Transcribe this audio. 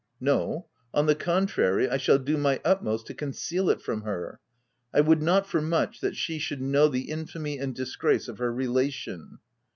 " No, on the contrary I shall do my utmost to conceal it from her. I would not for much that she should know the infamy and disgrace of her relation